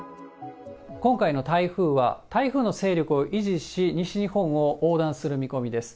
今回の台風は台風の勢力を維持し、西日本を横断する見込みです。